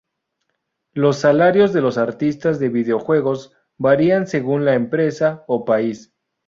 Los salarios de los artistas de videojuegos varían según la empresa o país.